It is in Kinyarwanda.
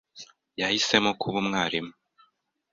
yahisemo kuba umwarimu.